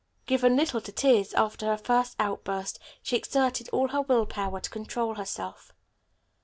Given little to tears, after her first outburst she exerted all her will power to control herself.